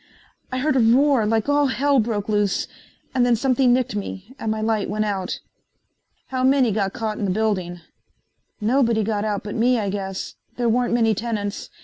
I heard a roar like all Hell broke loose and then something nicked me and my light went out." "How many got caught in the building?" "Nobody got out but me, I guess. There weren't many tenants.